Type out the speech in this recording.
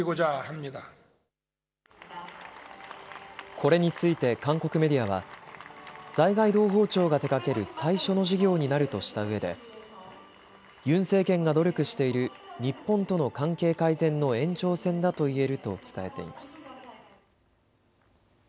これについて韓国メディアは在外同胞庁が手がける最初の事業になるとしたうえでユン政権が努力している日本との関係改善の延長線だと言えると伝えています。